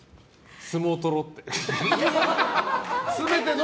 相撲とろうって。